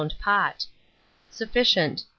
pot. Sufficient.